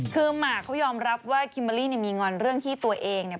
คือหมากเขายอมรับว่าคิมเบอร์รี่เนี่ยมีงอนเรื่องที่ตัวเองเนี่ย